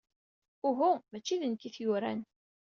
Uhu, maci d nekk ay t-yuran.